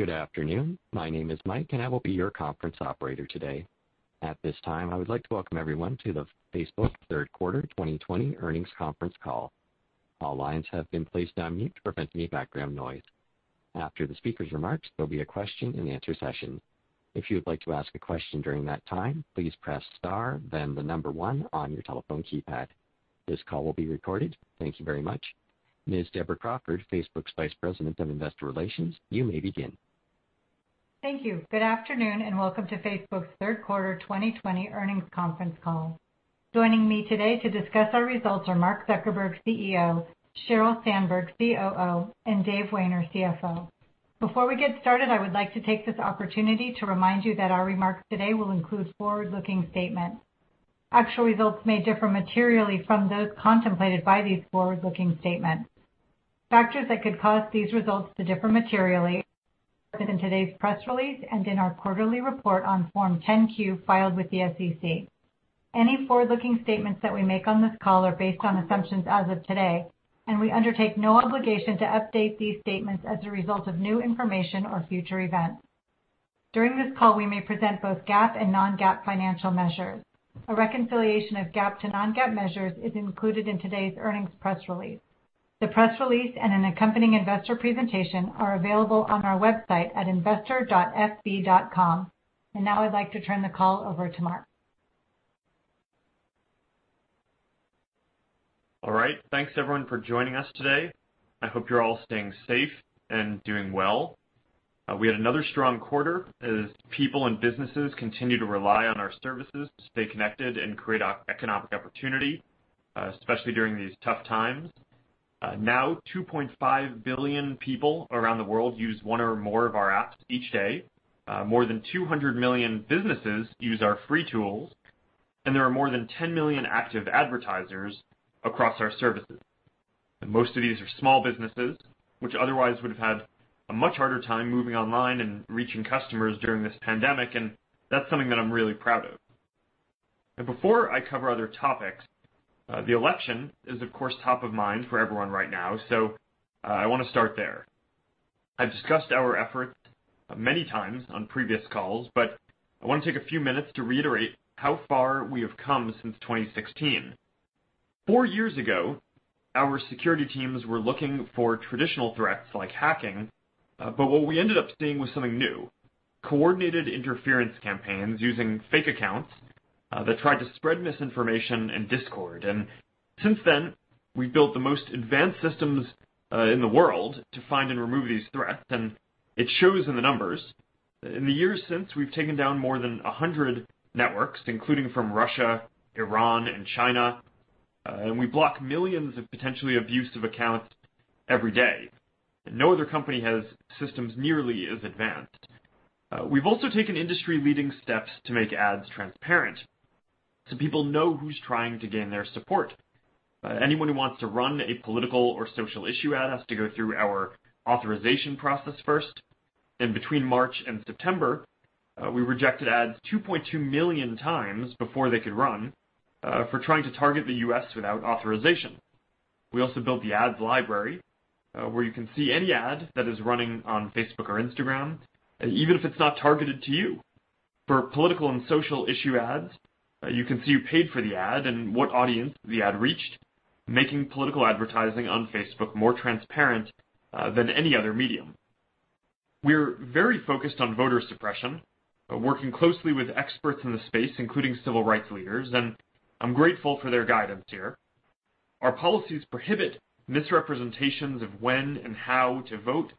Good afternoon. My name is Mike, and I will be your conference operator today. At this time, I would like to welcome everyone to the Facebook Third Quarter 2020 Earnings Conference Call. All lines have been placed on mute to prevent any background noise. After the speaker's remarks, there'll be a question and answer session. If you would like to ask a question during that time, please press star then the number one on your telephone keypad. This call will be recorded. Thank you very much. Ms. Deborah Crawford, Facebook's Vice President of Investor Relations, you may begin. Thank you. Good afternoon, and welcome to Facebook's Third Quarter 2020 Earnings Conference Call. Joining me today to discuss our results are Mark Zuckerberg, CEO, Sheryl Sandberg, COO, and Dave Wehner, CFO. Before we get started, I would like to take this opportunity to remind you that our remarks today will include forward-looking statements. Actual results may differ materially from those contemplated by these forward-looking statements. Factors that could cause these results to differ materially are included in today's press release and in our quarterly report on Form 10-Q filed with the SEC. Any forward-looking statements that we make on this call are based on assumptions as of today, and we undertake no obligation to update these statements as a result of new information or future events. During this call, we may present both GAAP and non-GAAP financial measures. A reconciliation of GAAP to non-GAAP measures is included in today's earnings press release. The press release and an accompanying investor presentation are available on our website at investor.fb.com. Now I'd like to turn the call over to Mark. All right. Thanks, everyone, for joining us today. I hope you're all staying safe and doing well. We had another strong quarter as people and businesses continue to rely on our services to stay connected and create economic opportunity, especially during these tough times. Now 2.5 billion people around the world use one or more of our apps each day, more than 200 million businesses use our free tools, and there are more than 10 million active advertisers across our services. Most of these are small businesses, which otherwise would've had a much harder time moving online and reaching customers during this pandemic. That's something that I'm really proud of. Before I cover other topics, the election is, of course, top of mind for everyone right now. I want to start there. I've discussed our efforts many times on previous calls, but I want to take a few minutes to reiterate how far we have come since 2016. Four years ago, our security teams were looking for traditional threats like hacking. What we ended up seeing was something new, coordinated interference campaigns using fake accounts, that tried to spread misinformation and discord. Since then, we've built the most advanced systems in the world to find and remove these threats, and it shows in the numbers. In the years since, we've taken down more than 100 networks, including from Russia, Iran, and China. We block millions of potentially abusive accounts every day. No other company has systems nearly as advanced. We've also taken industry-leading steps to make ads transparent so people know who's trying to gain their support. Anyone who wants to run a political or social issue ad has to go through our authorization process first. Between March and September, we rejected ads 2.2 million times before they could run for trying to target the U.S. without authorization. We also built the Ad Library, where you can see any ad that is running on Facebook or Instagram, even if it's not targeted to you. For political and social issue ads, you can see who paid for the ad and what audience the ad reached, making political advertising on Facebook more transparent than any other medium. We're very focused on voter suppression, working closely with experts in the space, including civil rights leaders, and I'm grateful for their guidance here. Our policies prohibit misrepresentations of when and how to vote,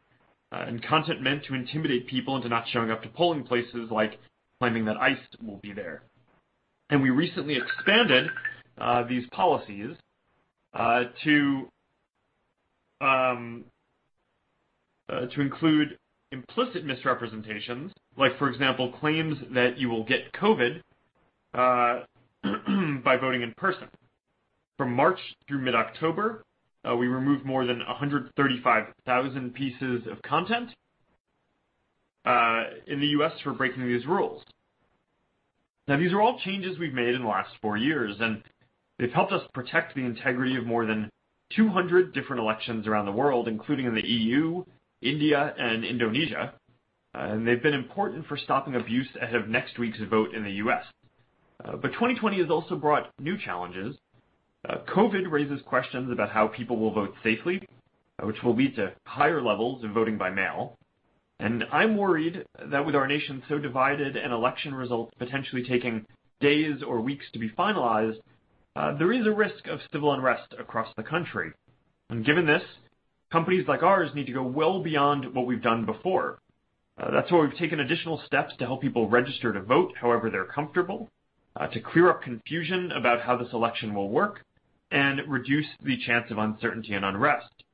and content meant to intimidate people into not showing up to polling places, like claiming that ICE will be there. We recently expanded these policies to include implicit misrepresentations, like for example, claims that you will get COVID by voting in person. From March through mid-October, we removed more than 135,000 pieces of content in the U.S. for breaking these rules. These are all changes we've made in the last four years, and they've helped us protect the integrity of more than 200 different elections around the world, including in the E.U., India, and Indonesia. They've been important for stopping abuse ahead of next week's vote in the U.S. 2020 has also brought new challenges. COVID raises questions about how people will vote safely, which will lead to higher levels of voting by mail. I'm worried that with our nation so divided and election results potentially taking days or weeks to be finalized, there is a risk of civil unrest across the country. Given this, companies like ours need to go well beyond what we've done before. That's why we've taken additional steps to help people register to vote however they're comfortable, to clear up confusion about how this election will work and reduce the chance of uncertainty and unrest.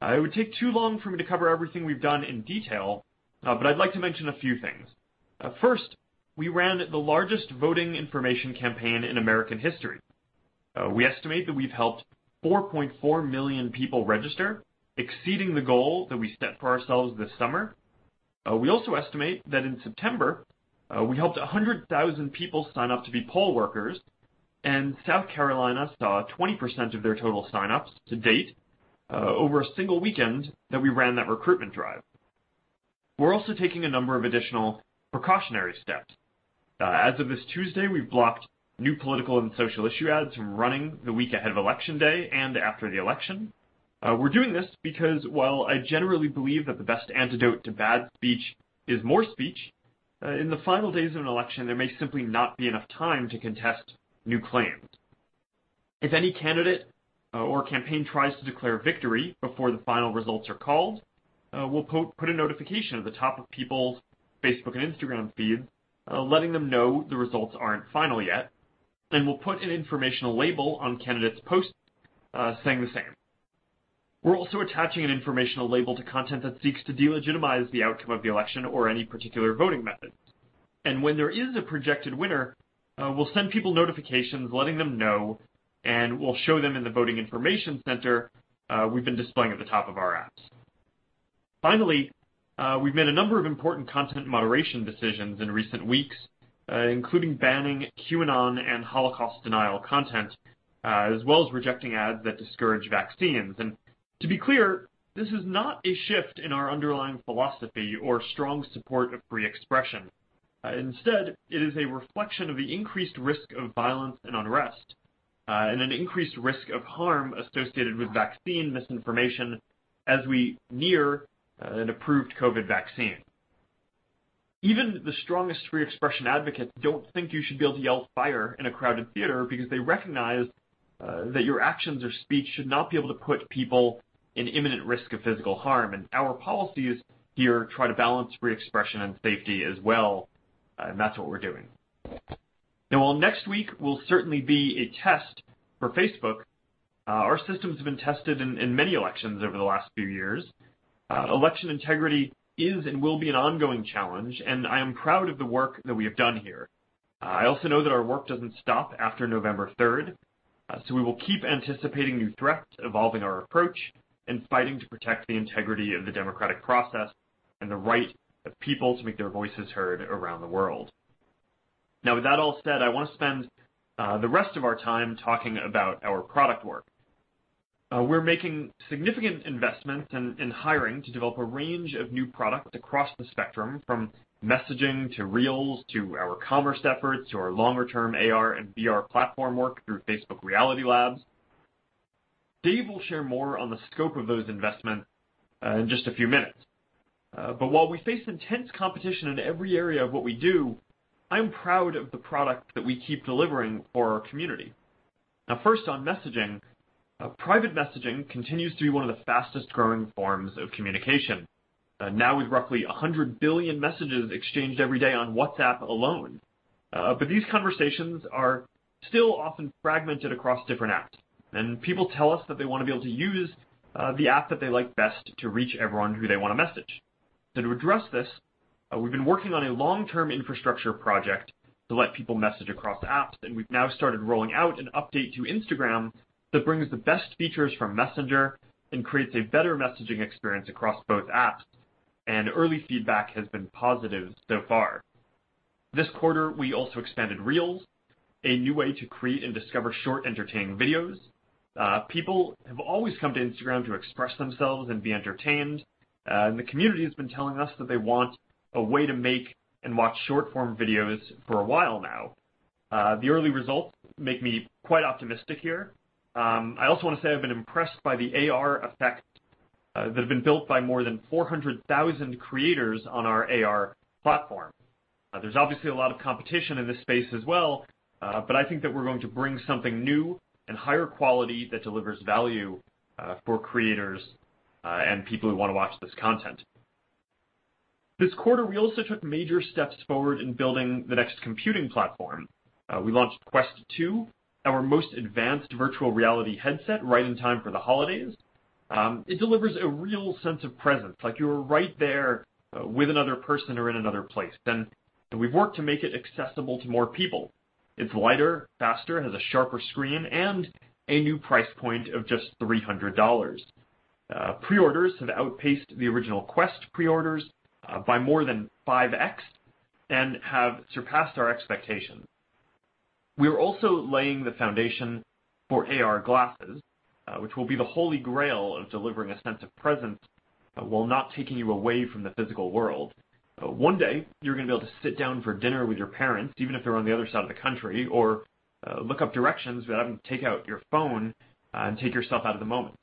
It would take too long for me to cover everything we've done in detail, but I'd like to mention a few things. First, we ran the largest voting information campaign in American history. We estimate that we've helped 4.4 million people register, exceeding the goal that we set for ourselves this summer. We also estimate that in September, we helped 100,000 people sign up to be poll workers, and South Carolina saw 20% of their total sign-ups to date over a single weekend that we ran that recruitment drive. We're also taking a number of additional precautionary steps. As of this Tuesday, we've blocked new political and social issue ads from running the week ahead of election day and after the election. We're doing this because, while I generally believe that the best antidote to bad speech is more speech, in the final days of an election, there may simply not be enough time to contest new claims. If any candidate or campaign tries to declare victory before the final results are called, we'll put a notification at the top of people's Facebook and Instagram feeds letting them know the results aren't final yet. We'll put an informational label on candidate's posts saying the same. We're also attaching an informational label to content that seeks to delegitimize the outcome of the election or any particular voting method. When there is a projected winner, we'll send people notifications letting them know, and we'll show them in the voting information center we've been displaying at the top of our apps. Finally, we've made a number of important content moderation decisions in recent weeks, including banning QAnon and Holocaust denial content, as well as rejecting ads that discourage vaccines. To be clear, this is not a shift in our underlying philosophy or strong support of free expression. Instead, it is a reflection of the increased risk of violence and unrest, and an increased risk of harm associated with vaccine misinformation as we near an approved COVID vaccine. Even the strongest free expression advocates don't think you should be able to yell fire in a crowded theater because they recognize that your actions or speech should not be able to put people in imminent risk of physical harm. Our policies here try to balance free expression and safety as well. That's what we're doing. Now, while next week will certainly be a test for Facebook, our systems have been tested in many elections over the last few years. Election integrity is and will be an ongoing challenge, and I am proud of the work that we have done here. I also know that our work doesn't stop after November 3rd, we will keep anticipating new threats, evolving our approach, and fighting to protect the integrity of the democratic process and the right of people to make their voices heard around the world. With that all said, I want to spend the rest of our time talking about our product work. We're making significant investments in hiring to develop a range of new products across the spectrum, from messaging to Reels, to our commerce efforts, to our longer-term AR and VR platform work through Facebook Reality Labs. Dave will share more on the scope of those investments in just a few minutes. While we face intense competition in every area of what we do, I'm proud of the product that we keep delivering for our community. First on messaging. Private messaging continues to be one of the fastest-growing forms of communication, now with roughly 100 billion messages exchanged every day on WhatsApp alone. These conversations are still often fragmented across different apps, and people tell us that they want to be able to use the app that they like best to reach everyone who they want to message. To address this, we've been working on a long-term infrastructure project to let people message across apps, and we've now started rolling out an update to Instagram that brings the best features from Messenger and creates a better messaging experience across both apps. Early feedback has been positive so far. This quarter, we also expanded Reels, a new way to create and discover short, entertaining videos. People have always come to Instagram to express themselves and be entertained. The community has been telling us that they want a way to make and watch short-form videos for a while now. The early results make me quite optimistic here. I also want to say I've been impressed by the AR effects that have been built by more than 400,000 creators on our AR platform. There's obviously a lot of competition in this space as well. I think that we're going to bring something new and higher quality that delivers value for creators and people who want to watch this content. This quarter, we also took major steps forward in building the next computing platform. We launched Quest 2, our most advanced virtual reality headset, right on time for the holidays. It delivers a real sense of presence, like you are right there with another person or in another place. We've worked to make it accessible to more people. It's lighter, faster, has a sharper screen, and a new price point of just $300. Pre-orders have outpaced the original Quest pre-orders by more than 5x and have surpassed our expectations. We are also laying the foundation for AR glasses, which will be the Holy Grail of delivering a sense of presence while not taking you away from the physical world. One day, you're going to be able to sit down for dinner with your parents, even if they're on the other side of the country, or look up directions without having to take out your phone and take yourself out of the moment.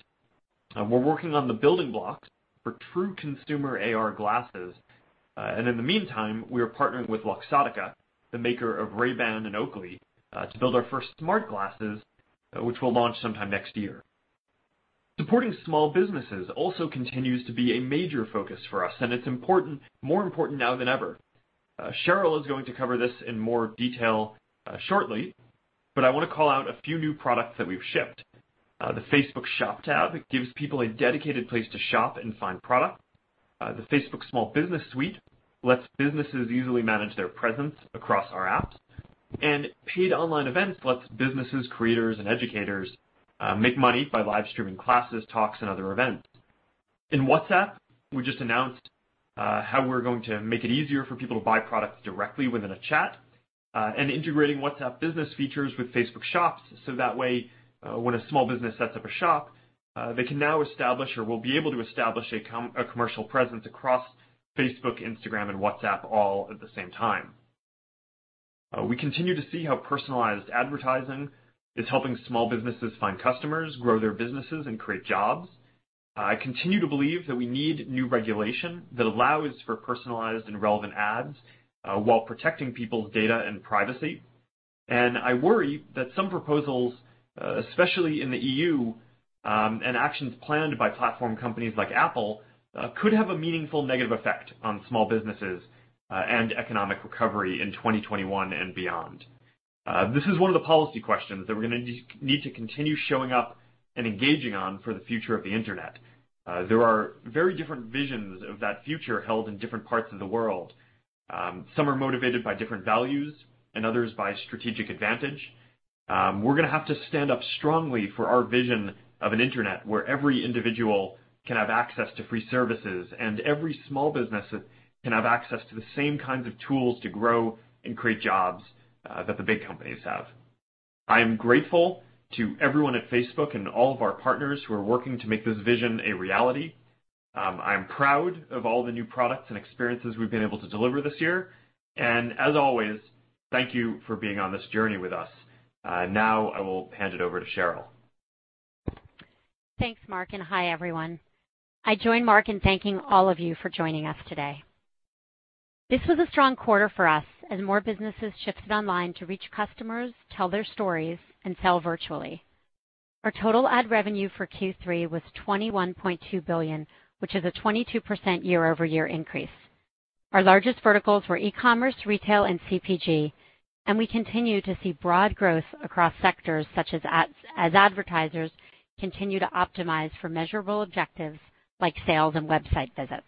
We're working on the building blocks for true consumer AR glasses. In the meantime, we are partnering with Luxottica, the maker of Ray-Ban and Oakley, to build our first smart glasses, which we'll launch sometime next year. Supporting small businesses also continues to be a major focus for us, and it's more important now than ever. Sheryl is going to cover this in more detail shortly, but I want to call out a few new products that we've shipped. The Facebook Shop tab gives people a dedicated place to shop and find product. The Facebook Business Suite lets businesses easily manage their presence across our apps. Paid online events lets businesses, creators, and educators make money by live streaming classes, talks, and other events. In WhatsApp, we just announced how we're going to make it easier for people to buy products directly within a chat and integrating WhatsApp Business features with Facebook Shops, so that way, when a small business sets up a shop, they can now establish or will be able to establish a commercial presence across Facebook, Instagram, and WhatsApp all at the same time. We continue to see how personalized advertising is helping small businesses find customers, grow their businesses, and create jobs. I continue to believe that we need new regulation that allows for personalized and relevant ads while protecting people's data and privacy. I worry that some proposals, especially in the E.U., and actions planned by platform companies like Apple, could have a meaningful negative effect on small businesses and economic recovery in 2021 and beyond. This is one of the policy questions that we're going to need to continue showing up and engaging on for the future of the internet. There are very different visions of that future held in different parts of the world. Some are motivated by different values and others by strategic advantage. We're going to have to stand up strongly for our vision of an internet where every individual can have access to free services and every small business can have access to the same kinds of tools to grow and create jobs that the big companies have. I am grateful to everyone at Facebook and all of our partners who are working to make this vision a reality. I'm proud of all the new products and experiences we've been able to deliver this year. As always, thank you for being on this journey with us. Now I will hand it over to Sheryl. Thanks, Mark, and hi, everyone. I join Mark in thanking all of you for joining us today. This was a strong quarter for us as more businesses shifted online to reach customers, tell their stories, and sell virtually. Our total ad revenue for Q3 was $21.2 billion, which is a 22% year-over-year increase. Our largest verticals were e-commerce, retail, and CPG, and we continue to see broad growth across sectors such as advertisers continue to optimize for measurable objectives like sales and website visits.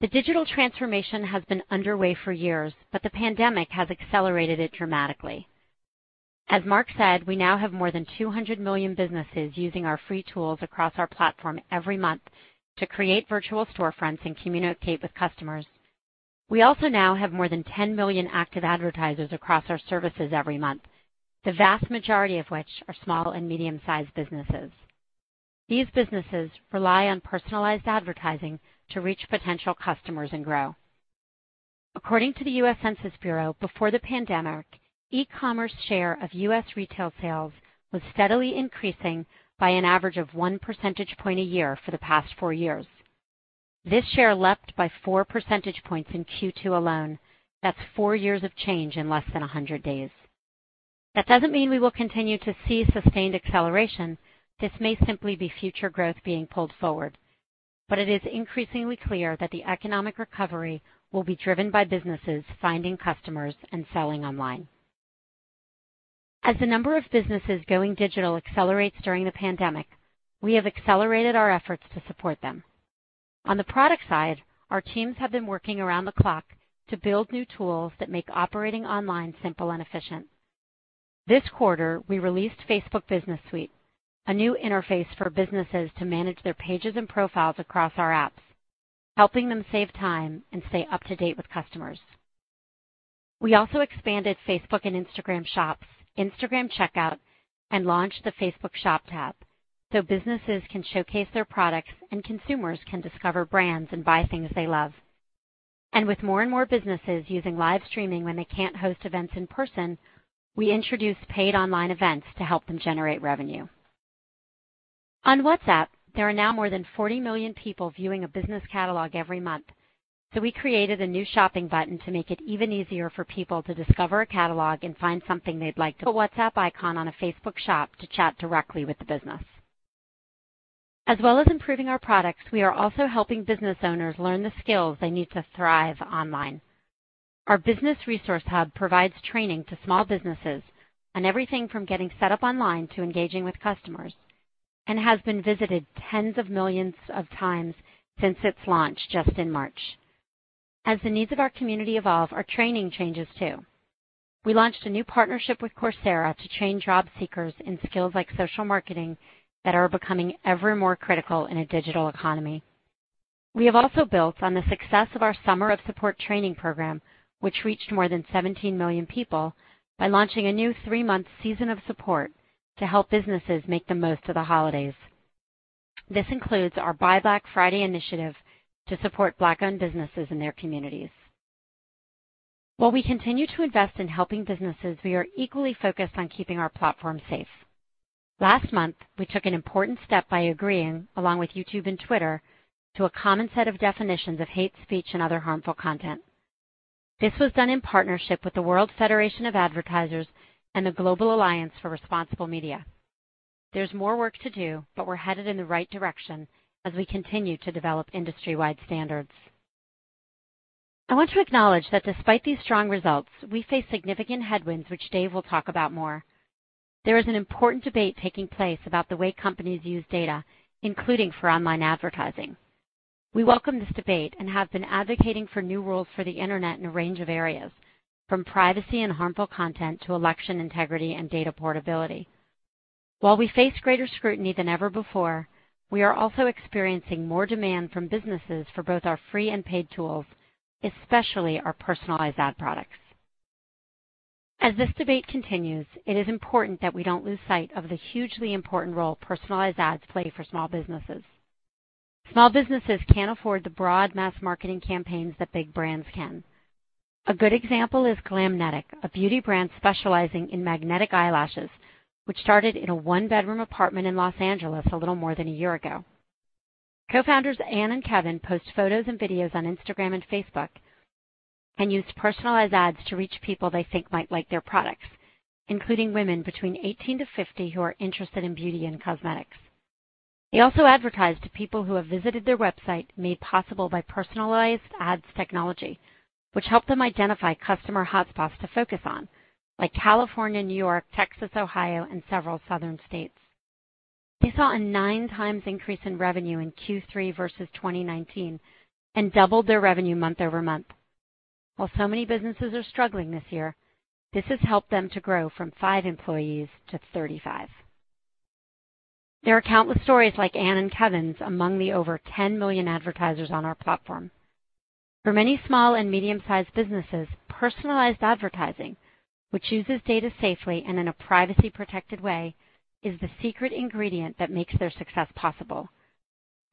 The digital transformation has been underway for years, but the pandemic has accelerated it dramatically. As Mark said, we now have more than 200 million businesses using our free tools across our platform every month to create virtual storefronts and communicate with customers. We also now have more than 10 million active advertisers across our services every month, the vast majority of which are small and medium-sized businesses. These businesses rely on personalized advertising to reach potential customers and grow. According to the US Census Bureau, before the pandemic, e-commerce share of U.S. retail sales was steadily increasing by an average of one percentage point a year for the past four years. This share leapt by four percentage points in Q2 alone. That's four years of change in less than 100 days. That doesn't mean we will continue to see sustained acceleration. This may simply be future growth being pulled forward. But it is increasingly clear that the economic recovery will be driven by businesses finding customers and selling online. As the number of businesses going digital accelerates during the pandemic, we have accelerated our efforts to support them. On the product side, our teams have been working around the clock to build new tools that make operating online simple and efficient. This quarter, we released Facebook Business Suite, a new interface for businesses to manage their pages and profiles across our apps, helping them save time and stay up to date with customers. We also expanded Facebook and Instagram Shops, Instagram Checkout, and launched the Facebook Shop tab so businesses can showcase their products and consumers can discover brands and buy things they love. With more and more businesses using live streaming when they can't host events in person, we introduced paid online events to help them generate revenue. On WhatsApp, there are now more than 40 million people viewing a business catalog every month. We created a new shopping button to make it even easier for people to discover a catalog and find something they'd like. A WhatsApp icon on a Facebook Shop to chat directly with the business. As well as improving our products, we are also helping business owners learn the skills they need to thrive online. Our business resource hub provides training to small businesses on everything from getting set up online to engaging with customers and has been visited tens of millions of times since its launch just in March. As the needs of our community evolve, our training changes, too. We launched a new partnership with Coursera to train job seekers in skills like social marketing that are becoming ever more critical in a digital economy. We have also built on the success of our Summer of Support training program, which reached more than 17 million people by launching a new three-month Season of Support to help businesses make the most of the holidays. This includes our #BuyBlack Friday initiative to support Black-owned businesses in their communities. While we continue to invest in helping businesses, we are equally focused on keeping our platform safe. Last month, we took an important step by agreeing, along with YouTube and Twitter, to a common set of definitions of hate speech and other harmful content. This was done in partnership with the World Federation of Advertisers and the Global Alliance for Responsible Media. There's more work to do, but we're headed in the right direction as we continue to develop industry-wide standards. I want to acknowledge that despite these strong results, we face significant headwinds, which Dave will talk about more. There is an important debate taking place about the way companies use data, including for online advertising. We welcome this debate and have been advocating for new rules for the Internet in a range of areas, from privacy and harmful content to election integrity and data portability. While we face greater scrutiny than ever before, we are also experiencing more demand from businesses for both our free and paid tools, especially our personalized ad products. As this debate continues, it is important that we don't lose sight of the hugely important role personalized ads play for small businesses. Small businesses can't afford the broad mass marketing campaigns that big brands can. A good example is Glamnetic, a beauty brand specializing in magnetic eyelashes, which started in a one-bedroom apartment in Los Angeles a little more than a year ago. Co-founders Ann and Kevin post photos and videos on Instagram and Facebook and use personalized ads to reach people they think might like their products, including women between 18-50 who are interested in beauty and cosmetics. They also advertise to people who have visited their website, made possible by personalized ads technology, which help them identify customer hotspots to focus on, like California, New York, Texas, Ohio, and several southern states. They saw a nine times increase in revenue in Q3 versus 2019 and doubled their revenue month-over-month. While so many businesses are struggling this year, this has helped them to grow from five employees to 35. There are countless stories like Ann and Kevin's among the over 10 million advertisers on our platform. For many small and medium-sized businesses, personalized advertising, which uses data safely and in a privacy-protected way, is the secret ingredient that makes their success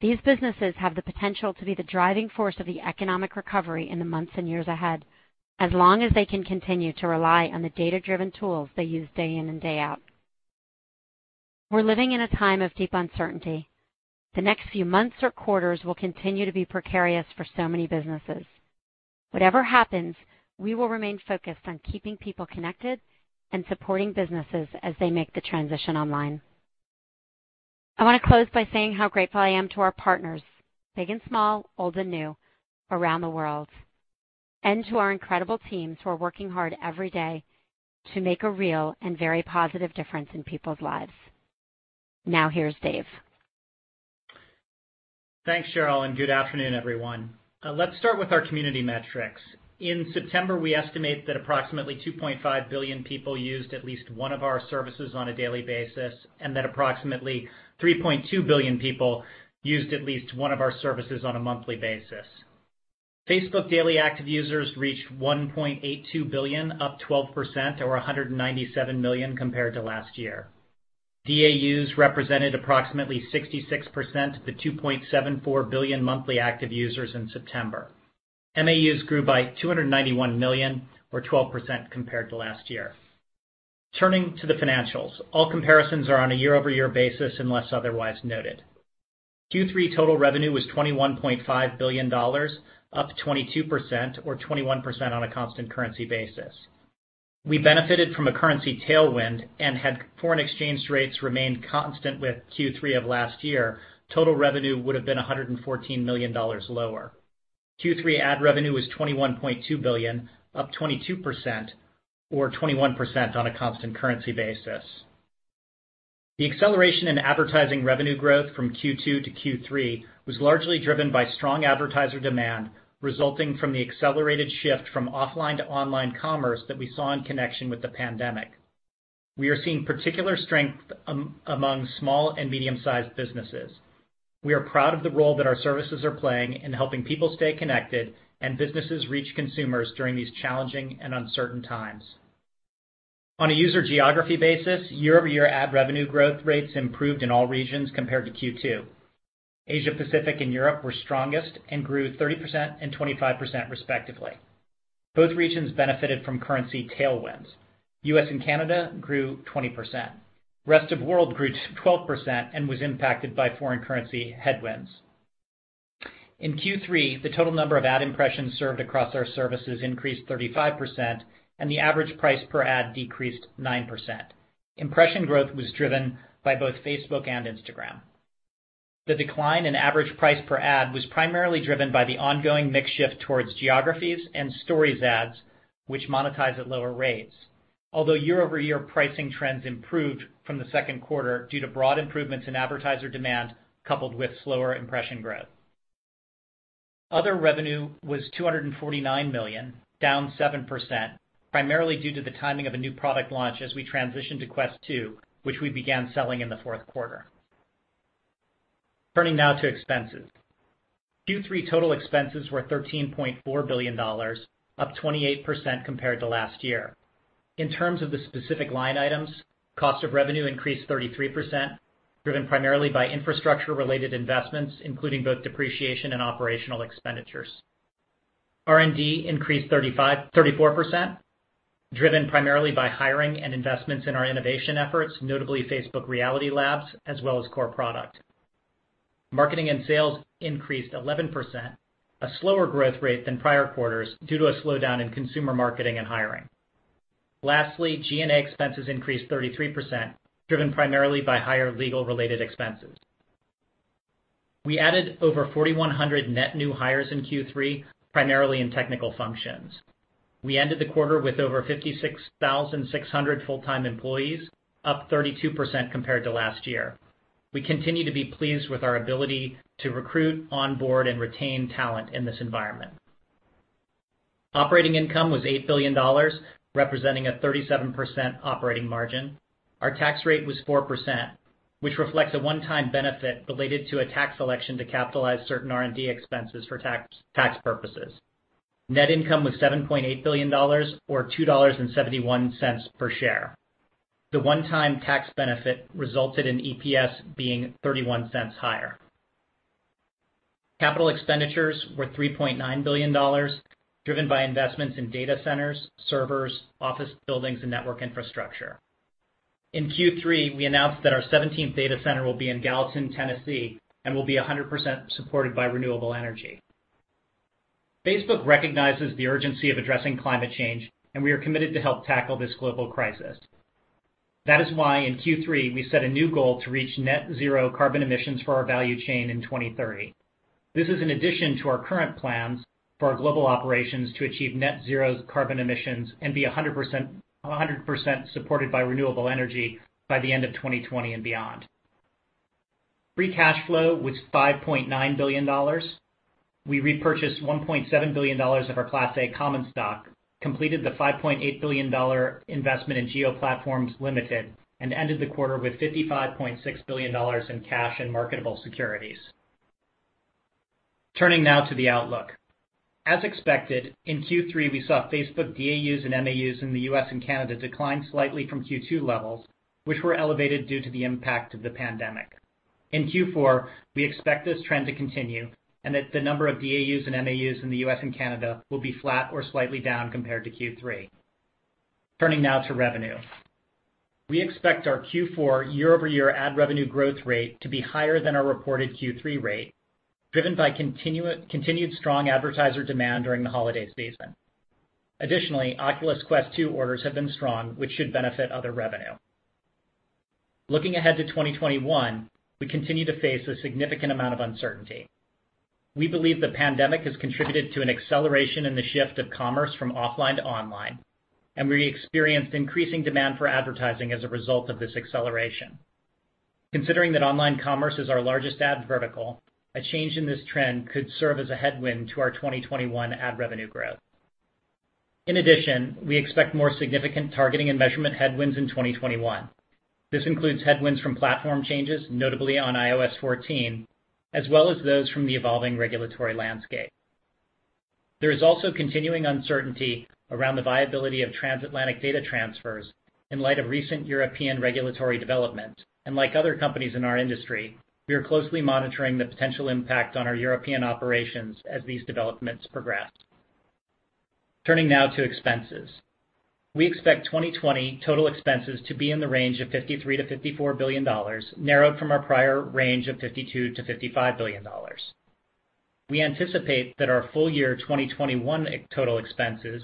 possible. These businesses have the potential to be the driving force of the economic recovery in the months and years ahead, as long as they can continue to rely on the data-driven tools they use day in and day out. We're living in a time of deep uncertainty. The next few months or quarters will continue to be precarious for so many businesses. Whatever happens, we will remain focused on keeping people connected and supporting businesses as they make the transition online. I want to close by saying how grateful I am to our partners, big and small, old and new, around the world, and to our incredible teams who are working hard every day to make a real and very positive difference in people's lives. Now, here's Dave. Thanks, Sheryl, and good afternoon, everyone. Let's start with our community metrics. In September, we estimate that approximately 2.5 billion people used at least one of our services on a daily basis, and that approximately 3.2 billion people used at least one of our services on a monthly basis. Facebook daily active users reached 1.82 billion, up 12%, or 197 million compared to last year. DAUs represented approximately 66% of the 2.74 billion monthly active users in September. MAUs grew by 291 million or 12% compared to last year. Turning to the financials. All comparisons are on a year-over-year basis unless otherwise noted. Q3 total revenue was $21.5 billion, up 22% or 21% on a constant currency basis. We benefited from a currency tailwind, and had foreign exchange rates remained constant with Q3 of last year, total revenue would have been $114 million lower. Q3 ad revenue was $21.2 billion, up 22% or 21% on a constant currency basis. The acceleration in advertising revenue growth from Q2 to Q3 was largely driven by strong advertiser demand resulting from the accelerated shift from offline to online commerce that we saw in connection with the pandemic. We are seeing particular strength among small and medium-sized businesses. We are proud of the role that our services are playing in helping people stay connected and businesses reach consumers during these challenging and uncertain times. On a user geography basis, year-over-year ad revenue growth rates improved in all regions compared to Q2. Asia-Pacific and Europe were strongest and grew 30% and 25% respectively. Both regions benefited from currency tailwinds. U.S. and Canada grew 20%. Rest of world grew 12% and was impacted by foreign currency headwinds. In Q3, the total number of ad impressions served across our services increased 35% and the average price per ad decreased 9%. Impression growth was driven by both Facebook and Instagram. The decline in average price per ad was primarily driven by the ongoing mix shift towards geographies and stories ads, which monetize at lower rates. Year-over-year pricing trends improved from the second quarter due to broad improvements in advertiser demand coupled with slower impression growth. Other revenue was $249 million, down 7%, primarily due to the timing of a new product launch as we transition to Quest 2, which we began selling in the fourth quarter. Turning now to expenses. Q3 total expenses were $13.4 billion, up 28% compared to last year. In terms of the specific line items, cost of revenue increased 33%, driven primarily by infrastructure-related investments, including both depreciation and operational expenditures. R&D increased 34%, driven primarily by hiring and investments in our innovation efforts, notably Facebook Reality Labs, as well as core product. Marketing and sales increased 11%, a slower growth rate than prior quarters due to a slowdown in consumer marketing and hiring. Lastly, G&A expenses increased 33%, driven primarily by higher legal related expenses. We added over 4,100 net new hires in Q3, primarily in technical functions. We ended the quarter with over 56,600 full-time employees, up 32% compared to last year. We continue to be pleased with our ability to recruit, onboard, and retain talent in this environment. Operating income was $8 billion, representing a 37% operating margin. Our tax rate was 4%, which reflects a one-time benefit related to a tax election to capitalize certain R&D expenses for tax purposes. Net income was $7.8 billion or $2.71 per share. The one-time tax benefit resulted in EPS being $0.31 higher. Capital expenditures were $3.9 billion, driven by investments in data centers, servers, office buildings, and network infrastructure. In Q3, we announced that our 17th data center will be in Gallatin, Tennessee, and will be 100% supported by renewable energy. Facebook recognizes the urgency of addressing climate change, and we are committed to help tackle this global crisis. That is why in Q3, we set a new goal to reach net zero carbon emissions for our value chain in 2030. This is in addition to our current plans for our global operations to achieve net zero carbon emissions and be 100% supported by renewable energy by the end of 2020 and beyond. Free cash flow was $5.9 billion. We repurchased $1.7 billion of our Class A common stock, completed the $5.8 billion investment in Jio Platforms Limited, and ended the quarter with $55.6 billion in cash and marketable securities. Turning now to the outlook. As expected, in Q3, we saw Facebook DAUs and MAUs in the U.S. and Canada decline slightly from Q2 levels, which were elevated due to the impact of the pandemic. In Q4, we expect this trend to continue, and that the number of DAUs and MAUs in the U.S. and Canada will be flat or slightly down compared to Q3. Turning now to revenue. We expect our Q4 year-over-year ad revenue growth rate to be higher than our reported Q3 rate, driven by continued strong advertiser demand during the holiday season. Additionally, Oculus Quest 2 orders have been strong, which should benefit other revenue. Looking ahead to 2021, we continue to face a significant amount of uncertainty. We believe the pandemic has contributed to an acceleration in the shift of commerce from offline to online, and we experienced increasing demand for advertising as a result of this acceleration. Considering that online commerce is our largest ad vertical, a change in this trend could serve as a headwind to our 2021 ad revenue growth. In addition, we expect more significant targeting and measurement headwinds in 2021. This includes headwinds from platform changes, notably on iOS 14, as well as those from the evolving regulatory landscape. There is also continuing uncertainty around the viability of transatlantic data transfers in light of recent European regulatory developments. Like other companies in our industry, we are closely monitoring the potential impact on our European operations as these developments progress. Turning now to expenses. We expect 2020 total expenses to be in the range of $53 billion-$54 billion, narrowed from our prior range of $52 billion-$55 billion. We anticipate that our full year 2021 total expenses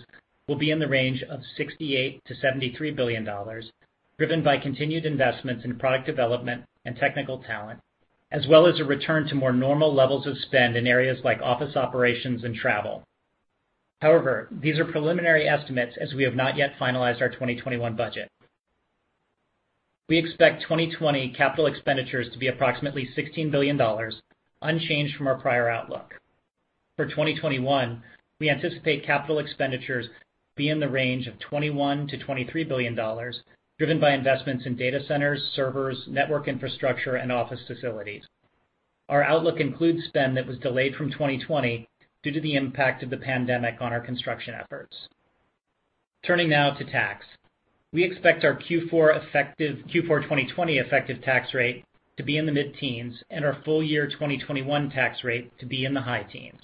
will be in the range of $68 billion-$73 billion, driven by continued investments in product development and technical talent, as well as a return to more normal levels of spend in areas like office operations and travel. However, these are preliminary estimates as we have not yet finalized our 2021 budget. We expect 2020 capital expenditures to be approximately $16 billion, unchanged from our prior outlook. For 2021, we anticipate capital expenditures to be in the range of $21 billion-$23 billion, driven by investments in data centers, servers, network infrastructure, and office facilities. Our outlook includes spend that was delayed from 2020 due to the impact of the pandemic on our construction efforts. Turning now to tax. We expect our Q4 2020 effective tax rate to be in the mid-teens and our full year 2021 tax rate to be in the high teens.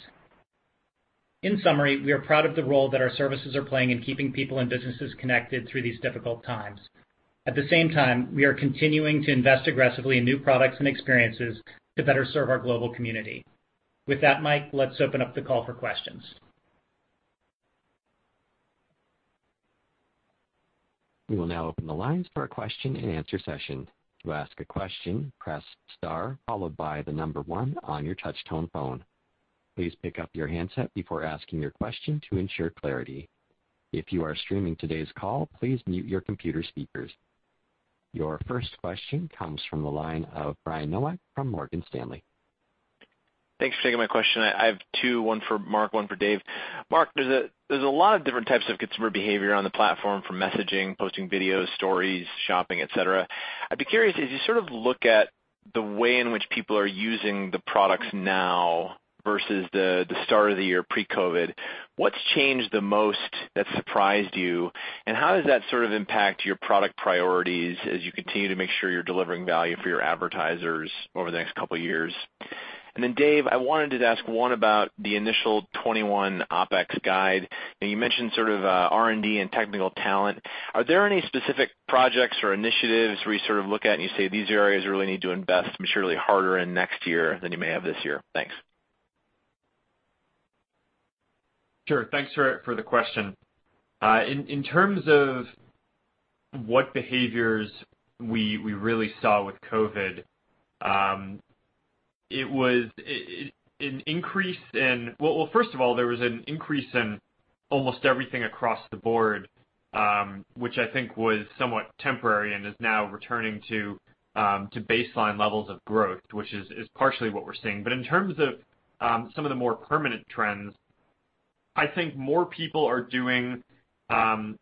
In summary, we are proud of the role that our services are playing in keeping people and businesses connected through these difficult times. At the same time, we are continuing to invest aggressively in new products and experiences to better serve our global community. With that, Mike, let's open up the call for questions. We will now open the lines for a question and answer session. To ask a question, press star, followed by the number one on your touch tone phone. Please pick up your handset before asking your question to ensure clarity. If you are streaming today's call, please mute your computer speakers. Your first question comes from the line of Brian Nowak from Morgan Stanley. Thanks for taking my question. I have two, one for Mark, one for Dave. Mark, there's a lot of different types of consumer behavior on the platform for messaging, posting videos, stories, shopping, et cetera. I'd be curious, as you look at the way in which people are using the products now versus the start of the year pre-COVID, what's changed the most that surprised you, and how does that impact your product priorities as you continue to make sure you're delivering value for your advertisers over the next couple of years? Dave, I wanted to ask one about the initial 2021 OPEX guide. You mentioned R&D and technical talent. Are there any specific projects or initiatives where you look at and you say, "These are areas we really need to invest materially harder in next year than you may have this year?" Thanks. Sure. Thanks for the question. In terms of what behaviors we really saw with COVID. First of all, there was an increase in almost everything across the board, which I think was somewhat temporary and is now returning to baseline levels of growth, which is partially what we're seeing. In terms of some of the more permanent trends, I think more people are doing kind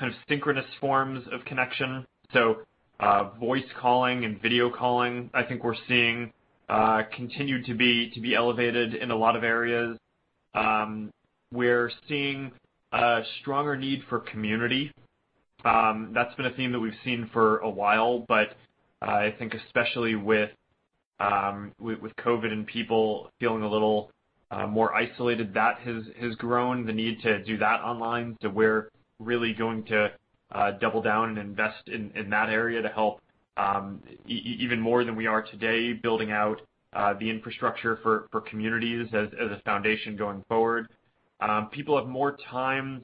of synchronous forms of connection. Voice calling and video calling, I think we're seeing continue to be elevated in a lot of areas. We're seeing a stronger need for community. That's been a theme that we've seen for a while, but I think especially with COVID and people feeling a little more isolated, that has grown, the need to do that online. We're really going to double down and invest in that area to help, even more than we are today, building out the infrastructure for communities as a foundation going forward. People have more time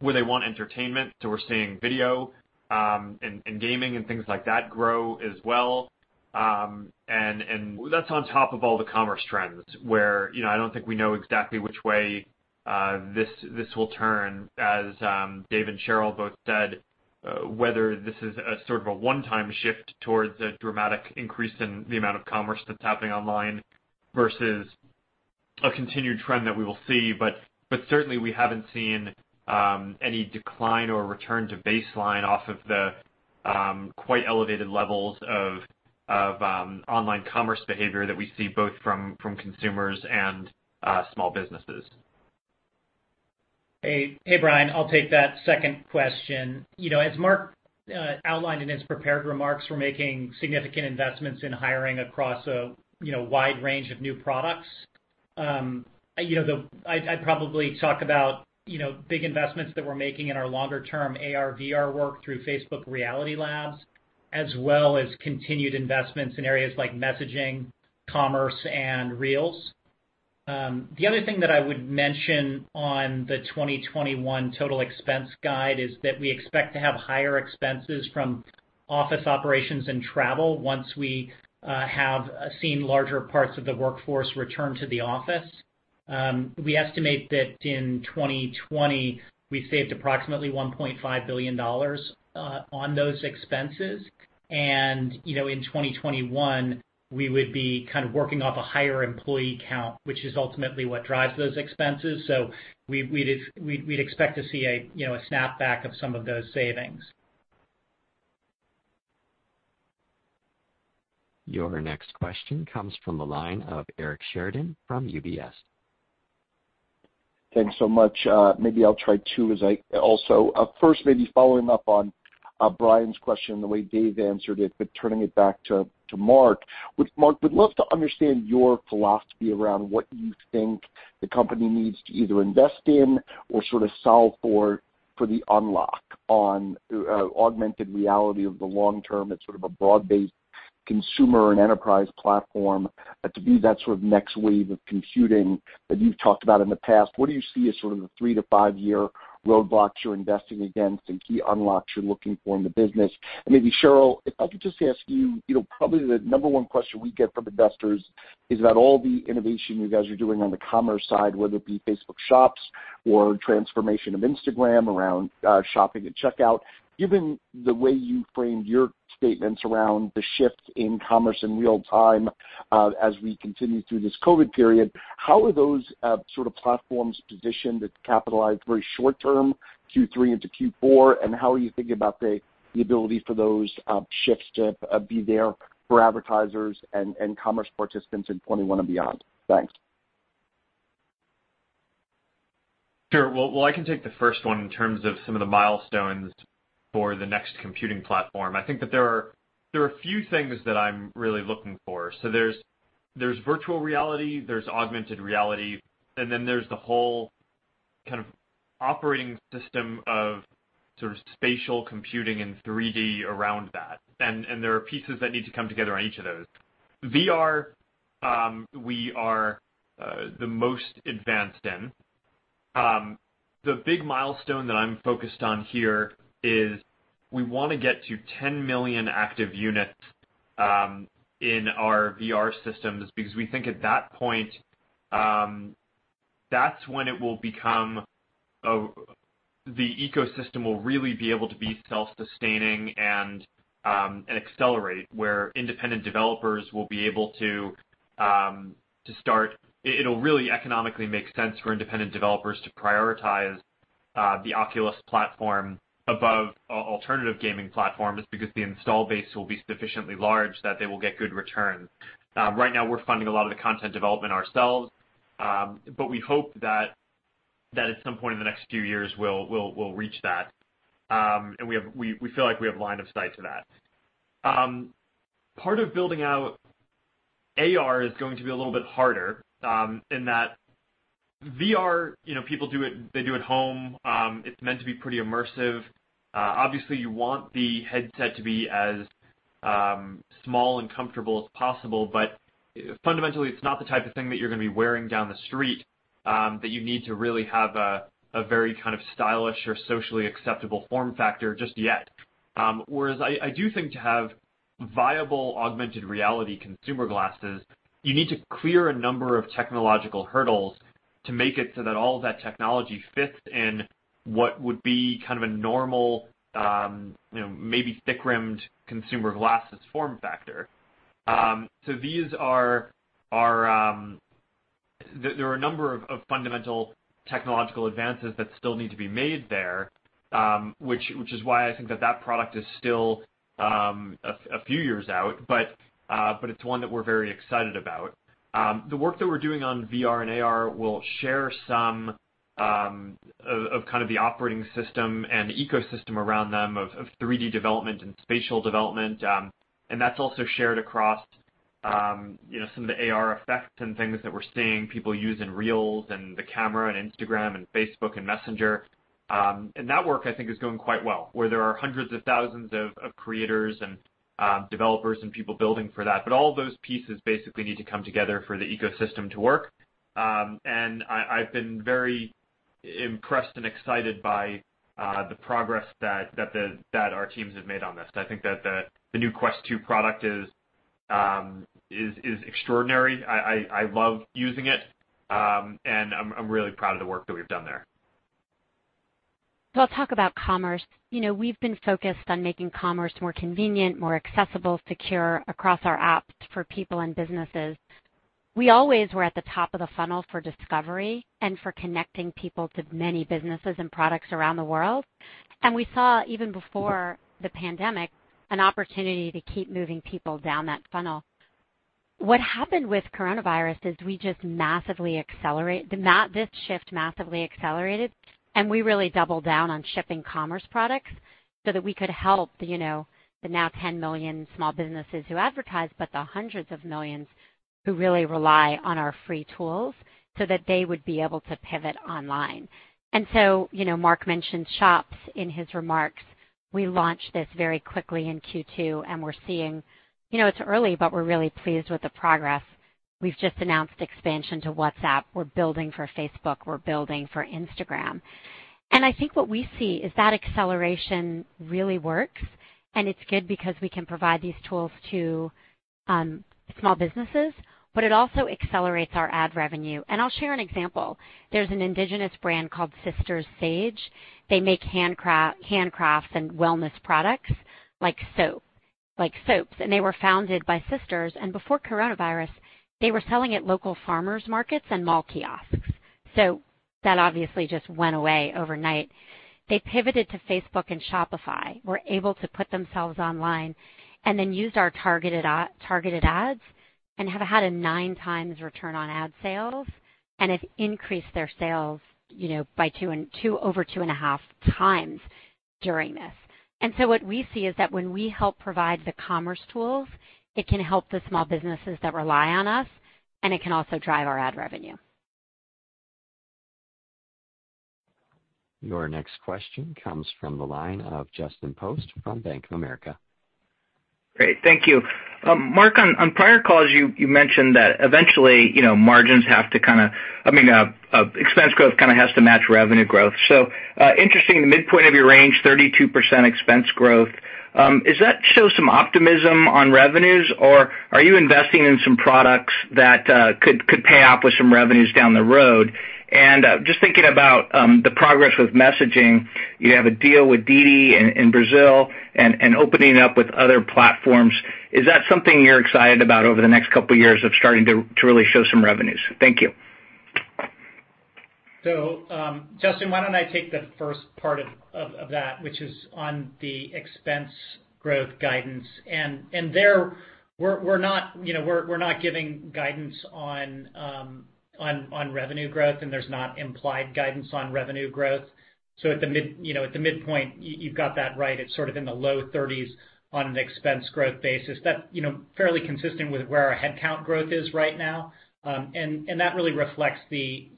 where they want entertainment, we're seeing video and gaming and things like that grow as well. That's on top of all the commerce trends, where I don't think we know exactly which way this will turn, as Dave and Sheryl both said, whether this is a sort of a one-time shift towards a dramatic increase in the amount of commerce that's happening online versus a continued trend that we will see. Certainly, we haven't seen any decline or return to baseline off of the quite elevated levels of online commerce behavior that we see both from consumers and small businesses. Hey, Brian. I'll take that second question. As Mark outlined in his prepared remarks, we're making significant investments in hiring across a wide range of new products. I'd probably talk about big investments that we're making in our longer-term AR/VR work through Facebook Reality Labs, as well as continued investments in areas like messaging, commerce, and Reels. The other thing that I would mention on the 2021 total expense guide is that we expect to have higher expenses from office operations and travel once we have seen larger parts of the workforce return to the office. We estimate that in 2020, we saved approximately $1.5 billion on those expenses, and in 2021, we would be kind of working off a higher employee count, which is ultimately what drives those expenses. We'd expect to see a snapback of some of those savings. Your next question comes from the line of Eric Sheridan from UBS. Thanks so much. Maybe I'll try two. First, maybe following up on Brian's question, the way Dave answered it, turning it back to Mark. Mark, would love to understand your philosophy around what you think the company needs to either invest in or sort of solve for the unlock on augmented reality of the long term. It's sort of a broad-based consumer and enterprise platform to be that sort of next wave of computing that you've talked about in the past. What do you see as sort of the 3-5-year roadblocks you're investing against and key unlocks you're looking for in the business? Maybe Sheryl, if I could just ask you, probably the number one question we get from investors is about all the innovation you guys are doing on the commerce side, whether it be Facebook Shops or transformation of Instagram around shopping and checkout. Given the way you framed your statements around the shift in commerce in real time as we continue through this COVID period, how are those sort of platforms positioned to capitalize very short term, Q3 into Q4, and how are you thinking about the ability for those shifts to be there for advertisers and commerce participants in 2021 and beyond? Thanks. Sure. Well, I can take the first one in terms of some of the milestones for the next computing platform. I think that there are a few things that I'm really looking for. There's virtual reality, there's augmented reality, and then there's the whole kind of operating system of sort of spatial computing and 3D around that. There are pieces that need to come together on each of those. VR, we are the most advanced in. The big milestone that I'm focused on here is we want to get to 10 million active units in our VR systems, because we think at that point, that's when the ecosystem will really be able to be self-sustaining and accelerate, where independent developers will be able to start. It'll really economically make sense for independent developers to prioritize the Oculus platform above alternative gaming platforms because the install base will be sufficiently large that they will get good return. Right now, we're funding a lot of the content development ourselves. We hope that at some point in the next few years, we'll reach that. We feel like we have line of sight to that. Part of building out AR is going to be a little bit harder, in that VR, people do at home. It's meant to be pretty immersive. Obviously, you want the headset to be as small and comfortable as possible, but fundamentally, it's not the type of thing that you're going to be wearing down the street. That you need to really have a very kind of stylish or socially acceptable form factor just yet. Whereas I do think to have viable augmented reality consumer glasses, you need to clear a number of technological hurdles to make it so that all of that technology fits in what would be kind of a normal, maybe thick-rimmed consumer glasses form factor. There are a number of fundamental technological advances that still need to be made there, which is why I think that product is still a few years out, but it's one that we're very excited about. The work that we're doing on VR and AR will share some of the operating system and the ecosystem around them of 3D development and spatial development, and that's also shared across some of the AR effects and things that we're seeing people use in Reels and the camera and Instagram and Facebook and Messenger. That work, I think, is going quite well, where there are hundreds of thousands of creators and developers and people building for that. All of those pieces basically need to come together for the ecosystem to work. I've been very impressed and excited by the progress that our teams have made on this. I think that the new Quest 2 product is extraordinary. I love using it. I'm really proud of the work that we've done there. I'll talk about commerce. We've been focused on making commerce more convenient, more accessible, secure across our apps for people and businesses. We always were at the top of the funnel for discovery and for connecting people to many businesses and products around the world. We saw, even before the pandemic, an opportunity to keep moving people down that funnel. What happened with coronavirus is we just massively accelerated. This shift massively accelerated, and we really doubled down on shipping commerce products so that we could help the now 10 million small businesses who advertise, but the hundreds of millions who really rely on our free tools so that they would be able to pivot online. Mark mentioned shops in his remarks. We launched this very quickly in Q2, and it's early, but we're really pleased with the progress. We've just announced expansion to WhatsApp. We're building for Facebook, we're building for Instagram. I think what we see is that acceleration really works, and it's good because we can provide these tools to small businesses, but it also accelerates our ad revenue. I'll share an example. There's an indigenous brand called Sisters Sage. They make handcrafts and wellness products like soaps. They were founded by sisters. Before coronavirus, they were selling at local farmers markets and mall kiosks. That obviously just went away overnight. They pivoted to Facebook and Shopify, were able to put themselves online, then used our targeted ads, and have had a nine times return on ad sales and have increased their sales by over two and a half times during this. What we see is that when we help provide the commerce tools, it can help the small businesses that rely on us, and it can also drive our ad revenue. Your next question comes from the line of Justin Post from Bank of America. Great. Thank you. Mark, on prior calls, you mentioned that eventually expense growth kind of has to match revenue growth. Interesting, the midpoint of your range, 32% expense growth. Does that show some optimism on revenues, or are you investing in some products that could pay off with some revenues down the road? Just thinking about the progress with messaging, you have a deal with Didi in Brazil and opening up with other platforms. Is that something you're excited about over the next couple of years of starting to really show some revenues? Thank you. Justin, why don't I take the first part of that, which is on the expense growth guidance. There, we're not giving guidance on revenue growth, and there's not implied guidance on revenue growth. At the midpoint, you've got that right. It's sort of in the low 30s on an expense growth basis. That's fairly consistent with where our headcount growth is right now. That really reflects the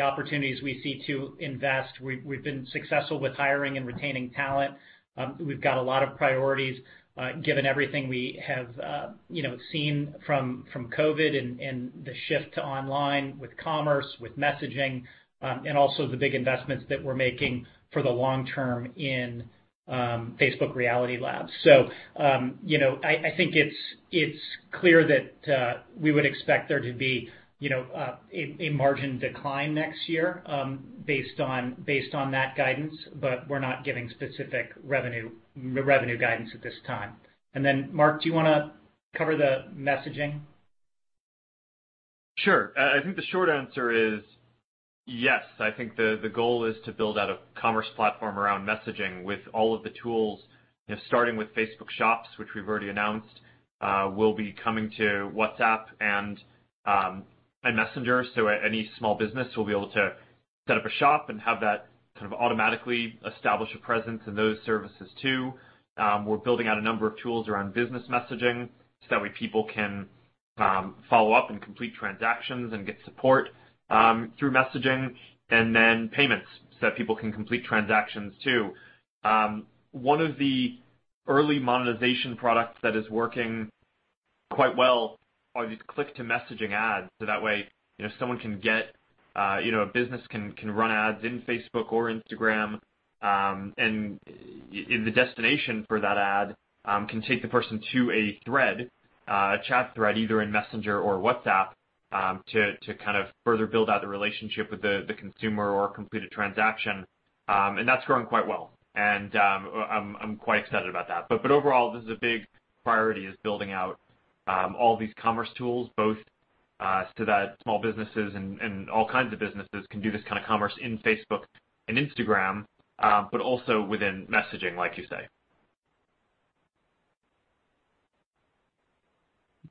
opportunities we see to invest. We've been successful with hiring and retaining talent. We've got a lot of priorities given everything we have seen from COVID and the shift to online with commerce, with messaging, and also the big investments that we're making for the long term in Facebook Reality Labs. I think it's clear that we would expect there to be a margin decline next year based on that guidance, but we're not giving specific revenue guidance at this time. Mark, do you want to cover the messaging? Sure. I think the short answer is yes. I think the goal is to build out a commerce platform around messaging with all of the tools, starting with Facebook Shops, which we've already announced, will be coming to WhatsApp and Messenger. Any small business will be able to set up a shop and have that kind of automatically establish a presence in those services, too. We're building out a number of tools around business messaging. That way people can follow up and complete transactions and get support through messaging. Then payments, that people can complete transactions, too. One of the early monetization products that is working quite well are these click-to-messaging ads, so that way a business can run ads in Facebook or Instagram, and the destination for that ad can take the person to a chat thread, either in Messenger or WhatsApp, to further build out the relationship with the consumer or complete a transaction. That's growing quite well, and I'm quite excited about that. Overall, this is a big priority, is building out all these commerce tools, both so that small businesses and all kinds of businesses can do this kind of commerce in Facebook and Instagram, but also within messaging, like you say.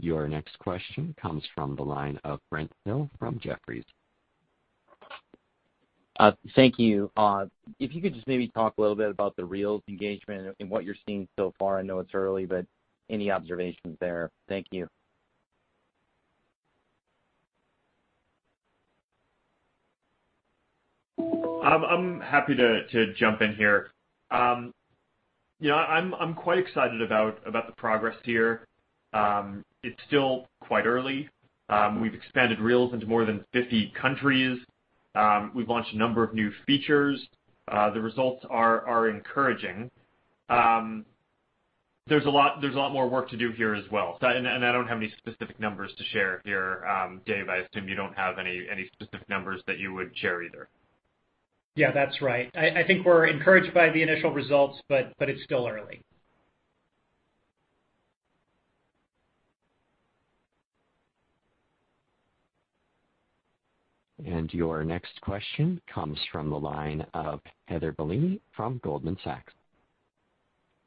Your next question comes from the line of Brent Thill from Jefferies. Thank you. If you could just maybe talk a little bit about the Reels engagement and what you're seeing so far. I know it's early, but any observations there? Thank you. I'm happy to jump in here. I'm quite excited about the progress here. It's still quite early. We've expanded Reels into more than 50 countries. We've launched a number of new features. The results are encouraging. There's a lot more work to do here as well. I don't have any specific numbers to share here. Dave, I assume you don't have any specific numbers that you would share either. Yeah, that's right. I think we're encouraged by the initial results, but it's still early. Your next question comes from the line of Heather Bellini from Goldman Sachs.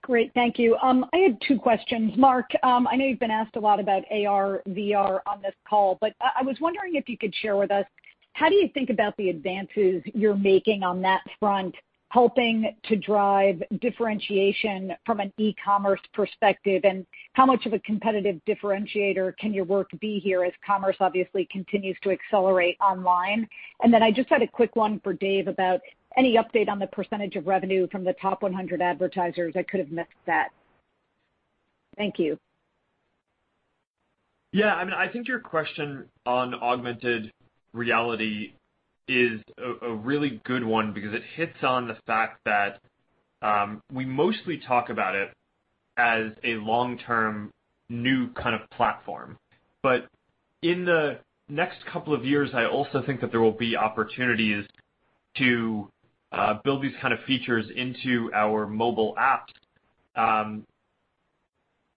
Great. Thank you. I had two questions. Mark, I know you've been asked a lot about AR/VR on this call, but I was wondering if you could share with us how you think about the advances you're making on that front, helping to drive differentiation from an e-commerce perspective, and how much of a competitive differentiator can your work be here as commerce obviously continues to accelerate online? I just had a quick one for Dave about any update on the percentage of revenue from the top 100 advertisers. I could have missed that. Thank you. Yeah, I think your question on augmented reality is a really good one because it hits on the fact that we mostly talk about it as a long-term, new kind of platform. In the next couple of years, I also think that there will be opportunities to build these kind of features into our mobile apps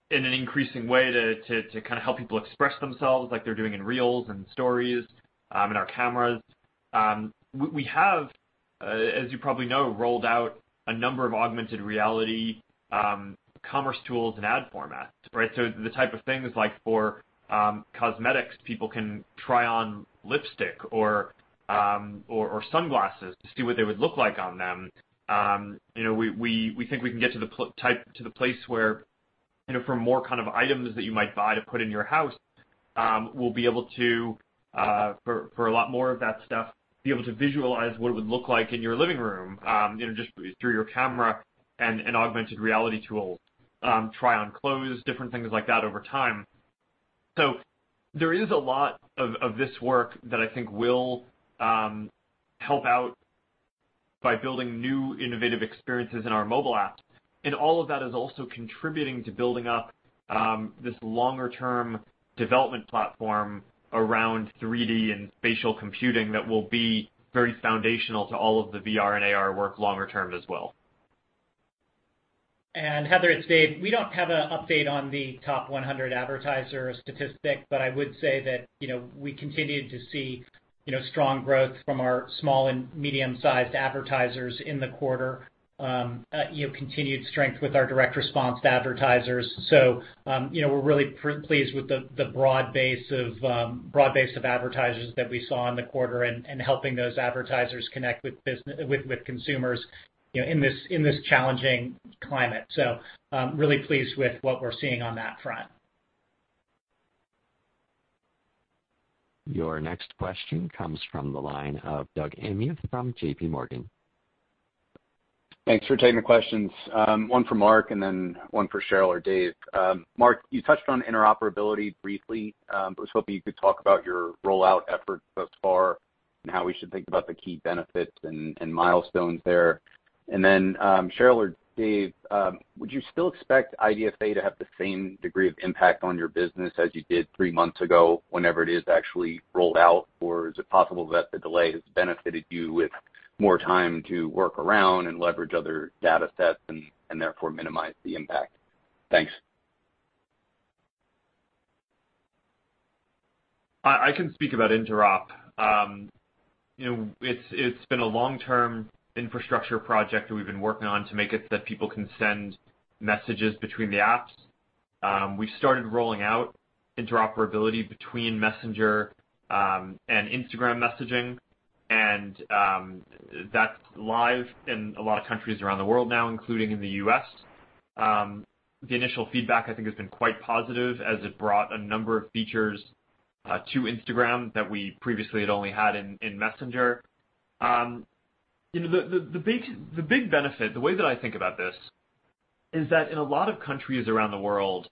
in an increasing way to help people express themselves like they're doing in Reels and Stories and our cameras. We have, as you probably know, rolled out a number of augmented reality commerce tools and ad formats. The type of things like for cosmetics, people can try on lipstick or sunglasses to see what they would look like on them. We think we can get to the place where for more kind of items that you might buy to put in your house, we'll be able to, for a lot more of that stuff, be able to visualize what it would look like in your living room just through your camera and an augmented reality tool. Try on clothes, different things like that over time. There is a lot of this work that I think will help out by building new, innovative experiences in our mobile apps. All of that is also contributing to building up this longer-term development platform around 3D and spatial computing that will be very foundational to all of the VR and AR work longer term as well. Heather, it's Dave. We don't have an update on the top 100 advertisers statistic, I would say that we continued to see strong growth from our small and medium-sized advertisers in the quarter. Continued strength with our direct response advertisers. We're really pleased with the broad base of advertisers that we saw in the quarter and helping those advertisers connect with consumers in this challenging climate. Really pleased with what we're seeing on that front. Your next question comes from the line of Doug Anmuth from J.P. Morgan. Thanks for taking the questions. One for Mark and then one for Sheryl or Dave. Mark, you touched on interoperability briefly. I was hoping you could talk about your rollout efforts thus far and how we should think about the key benefits and milestones there. Sheryl or Dave, would you still expect IDFA to have the same degree of impact on your business as you did three months ago, whenever it is actually rolled out, or is it possible that the delay has benefited you with more time to work around and leverage other data sets and therefore minimize the impact? Thanks. I can speak about interop. It's been a long-term infrastructure project that we've been working on to make it so that people can send messages between the apps. We've started rolling out interoperability between Messenger and Instagram messaging, and that's live in a lot of countries around the world now, including in the U.S. The initial feedback, I think, has been quite positive as it brought a number of features to Instagram that we previously had only had in Messenger. The big benefit, the way that I think about this is that in a lot of countries around the world,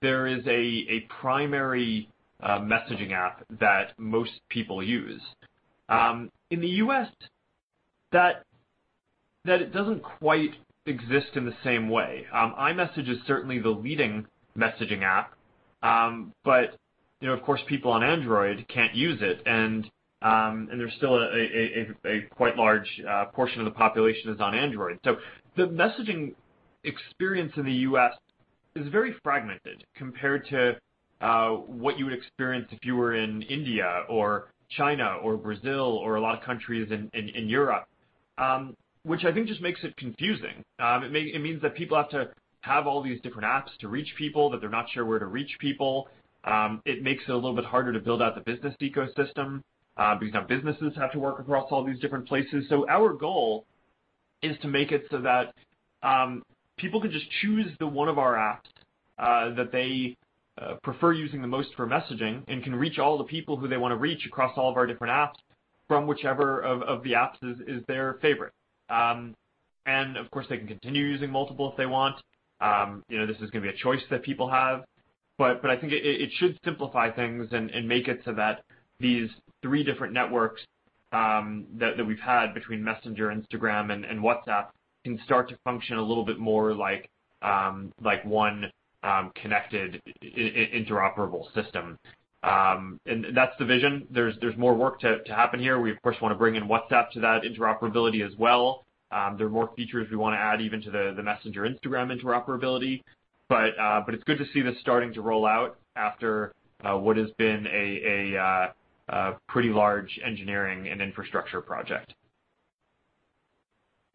there is a primary messaging app that most people use. In the U.S., that it doesn't quite exist in the same way. iMessage is certainly the leading messaging app. Of course, people on Android can't use it, and there's still a quite large portion of the population is on Android. The messaging experience in the U.S. is very fragmented compared to what you would experience if you were in India or China or Brazil or a lot of countries in Europe, which I think just makes it confusing. It means that people have to have all these different apps to reach people, that they're not sure where to reach people. It makes it a little bit harder to build out the business ecosystem, because now businesses have to work across all these different places. Our goal is to make it so that people can just choose the one of our apps that they prefer using the most for messaging and can reach all the people who they want to reach across all of our different apps from whichever of the apps is their favorite. Of course, they can continue using multiple if they want. This is going to be a choice that people have. I think it should simplify things and make it so that these three different networks that we've had between Messenger, Instagram, and WhatsApp can start to function a little bit more like one connected interoperable system. That's the vision. There's more work to happen here. We, of course, want to bring in WhatsApp to that interoperability as well. There are more features we want to add even to the Messenger-Instagram interoperability. It's good to see this starting to roll out after what has been a pretty large engineering and infrastructure project.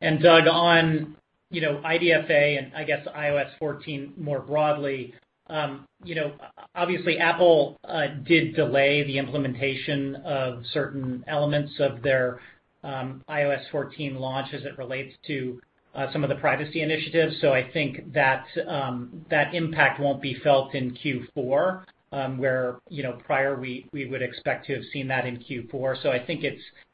Doug, on IDFA and I guess iOS 14 more broadly. Obviously, Apple did delay the implementation of certain elements of their iOS 14 launch as it relates to some of the privacy initiatives. I think that impact won't be felt in Q4, where prior we would expect to have seen that in Q4. I think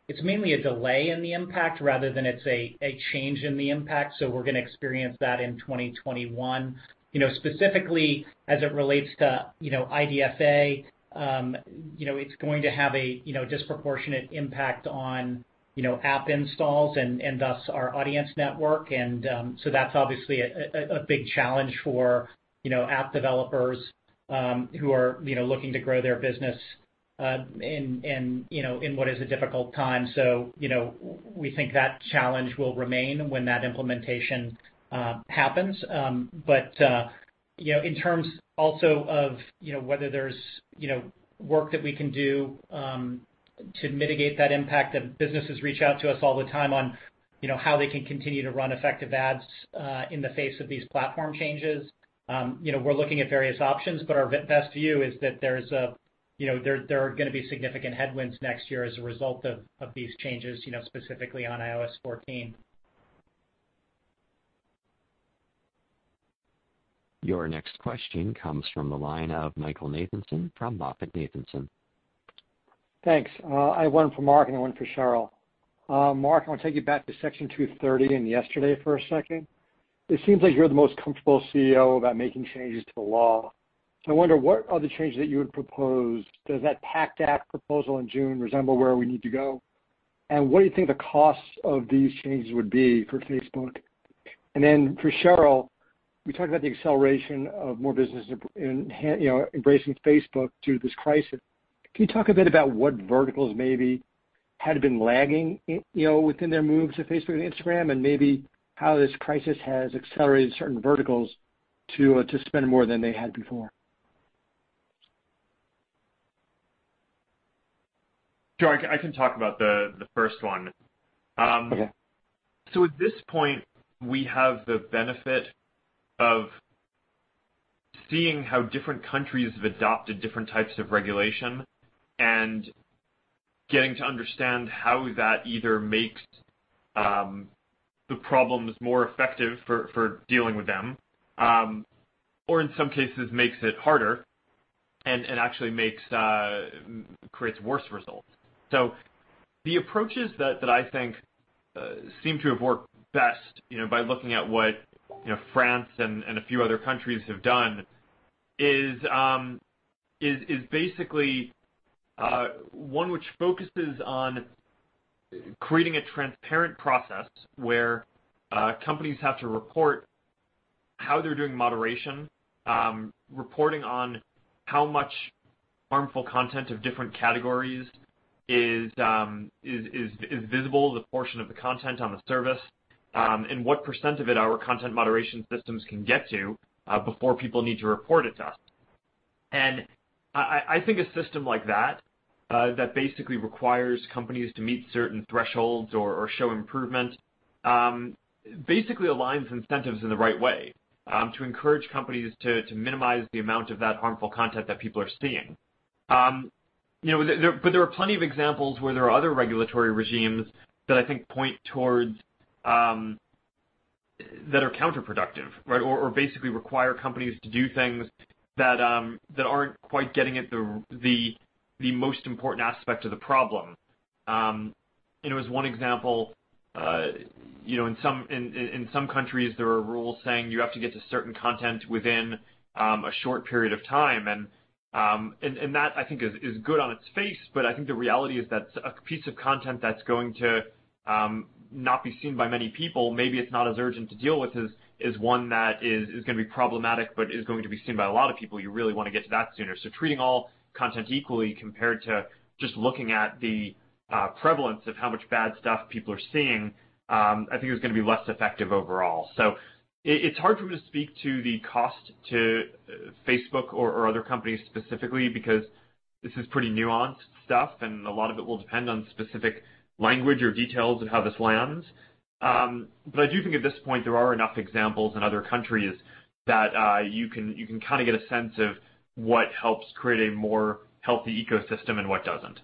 it's mainly a delay in the impact rather than it's a change in the impact. We're going to experience that in 2021. Specifically as it relates to IDFA, it's going to have a disproportionate impact on app installs and thus our Audience Network. That's obviously a big challenge for app developers who are looking to grow their business in what is a difficult time. We think that challenge will remain when that implementation happens. In terms also of whether there's work that we can do to mitigate that impact, that businesses reach out to us all the time on how they can continue to run effective ads in the face of these platform changes. We're looking at various options, but our best view is that there are going to be significant headwinds next year as a result of these changes, specifically on iOS 14. Your next question comes from the line of Michael Nathanson from MoffettNathanson. Thanks. I have one for Mark and one for Sheryl. Mark, I want to take you back to Section 230 and yesterday for a second. It seems like you're the most comfortable CEO about making changes to the law. I wonder, what are the changes that you would propose? Does that PACT Act proposal in June resemble where we need to go? What do you think the cost of these changes would be for Facebook? For Sheryl, you talked about the acceleration of more businesses embracing Facebook through this crisis. Can you talk a bit about what verticals maybe had been lagging within their moves to Facebook and Instagram, and maybe how this crisis has accelerated certain verticals to spend more than they had before? Sure. I can talk about the first one. Okay. At this point, we have the benefit of seeing how different countries have adopted different types of regulation and getting to understand how that either makes the problems more effective for dealing with them, or in some cases, makes it harder and actually creates worse results. The approaches that I think seem to have worked best by looking at what France and a few other countries have done is basically one which focuses on creating a transparent process where companies have to report how they're doing moderation, reporting on how much harmful content of different categories is visible, the portion of the content on the service, and what percent of it our content moderation systems can get to before people need to report it to us. I think a system like that basically requires companies to meet certain thresholds or show improvement, basically aligns incentives in the right way to encourage companies to minimize the amount of that harmful content that people are seeing. There are plenty of examples where there are other regulatory regimes that I think point towards that are counterproductive, right? Basically require companies to do things that aren't quite getting at the most important aspect of the problem. As one example, in some countries there are rules saying you have to get to certain content within a short period of time. That, I think, is good on its face, but I think the reality is that a piece of content that's going to not be seen by many people, maybe it's not as urgent to deal with as one that is going to be problematic, but is going to be seen by a lot of people. You really want to get to that sooner. Treating all content equally compared to just looking at the prevalence of how much bad stuff people are seeing, I think is going to be less effective overall. It's hard for me to speak to the cost to Facebook or other companies specifically because this is pretty nuanced stuff and a lot of it will depend on specific language or details of how this lands. I do think at this point there are enough examples in other countries that you can kind of get a sense of what helps create a more healthy ecosystem and what doesn't.